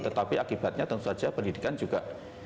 tetapi akibatnya tentu saja pendidikan juga